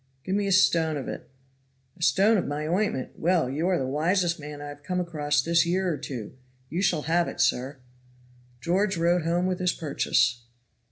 "Give me a stone of it." "A stone of my ointment! Well! you are the wisest man I have come across this year or two. You shall have it, sir." George rode home with his purchase.